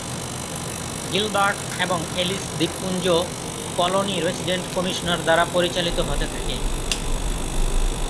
Gilbert এবং Ellice দ্বীপপুঞ্জ colony resident commissioner দ্বারা পরিচালিত হতে থাকে।